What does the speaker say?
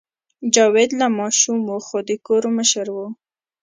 جاوید لا ماشوم و خو د کور مشر و